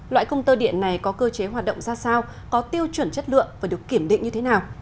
loại công tơ điện này có cơ chế hoạt động ra sao có tiêu chuẩn chất lượng và được kiểm định như thế nào